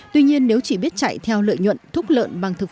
tuy nhiên nếu chỉ biết chạy theo lợi nhuận